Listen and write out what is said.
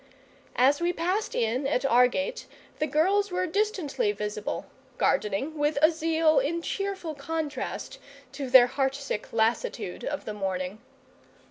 As we passed in at our gate the girls were distantly visible, gardening with a zeal in cheerful contrast to their heartsick lassitude of the morning.